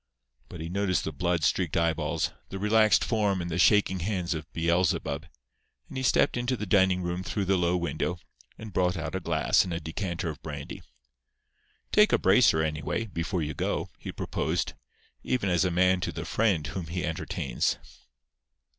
But he noticed the blood streaked eyeballs, the relaxed form and the shaking hands of "Beelzebub;" and he stepped into the dining room through the low window, and brought out a glass and a decanter of brandy. "Take a bracer, anyway, before you go," he proposed, even as a man to the friend whom he entertains.